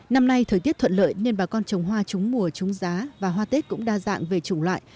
năm nay thời tiết thuận lợi nên bà con trồng hoa trúng mùa trúng giá và hoa tết cũng đa dạng về chủng loại